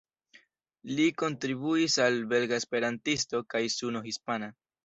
Li kontribuis al "Belga Esperantisto" kaj "Suno Hispana".